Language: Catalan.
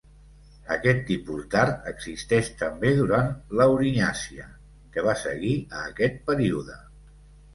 Aquest tipus d'art existeix també durant l'aurinyacià, que va seguir a aquest període.